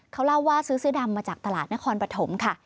เขาเล่าว่าซื้อเสื้อดำมาจากตลาดนครปฐมค่ะ